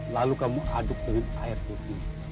lalu kamu aduk dengan air putih